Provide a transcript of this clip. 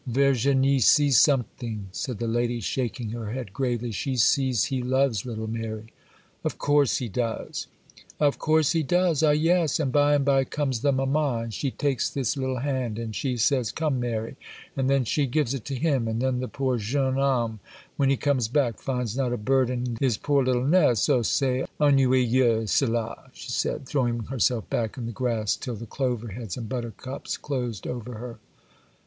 'Virginie sees something!' said the lady, shaking her head gravely; 'she sees he loves little Mary.' 'Of course he does!' 'Of course he does?—ah, yes; and by and by comes the mamma, and she takes this little hand, and she says, "Come, Mary!" and then she gives it to him; and then the poor jeune homme, when he comes back, finds not a bird in his poor little nest. Oh, c'est ennuyeux cela!' she said, throwing herself back in the grass till the clover heads and buttercups closed over her.